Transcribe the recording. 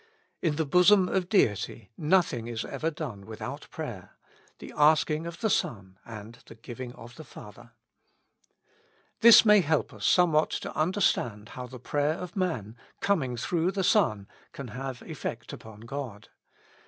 In the bosom of Deity nothing is ever done without prayer — the asking of the Son and the giving of the Father.* This may help us somewhat to understand how the prayer of man, coming through the Son, can have effect upon God.